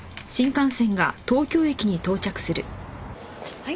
はい？